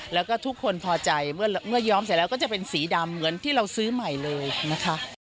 แล้วก็ทุกคนพอใจเมื่อย้อมเสร็จแล้วก็จะเป็นสีดำเหมือนที่เราซื้อใหม่เลยนะคะ